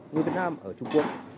người việt nam ở trung quốc